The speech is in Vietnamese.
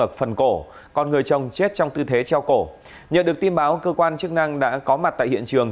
ở phần cổ còn người chồng chết trong tư thế treo cổ nhận được tin báo cơ quan chức năng đã có mặt tại hiện trường